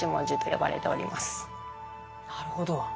なるほど。